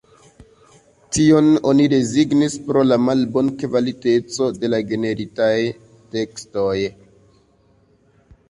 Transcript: Tion oni rezignis pro la malbonkvaliteco de la generitaj tekstoj.